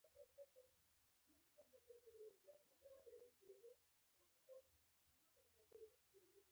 کلمې د خلکو اعمالو لوری بدلولای شي.